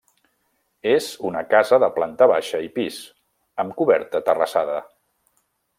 És una casa de planta baixa i pis, amb coberta terrassada.